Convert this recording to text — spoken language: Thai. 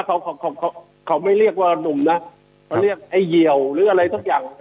เขาเขาไม่เรียกว่านุ่มนะเขาเรียกไอ้เหี่ยวหรืออะไรสักอย่าง